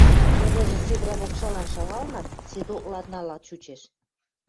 Тӹдӹжӹ седӹрӓ покшалан шагалынат, седок ладнала чучеш.